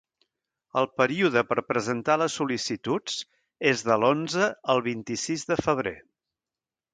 El període per presentar les sol·licituds és de l'onze al vint-i-sis de febrer.